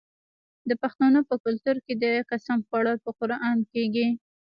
د پښتنو په کلتور کې د قسم خوړل په قران کیږي.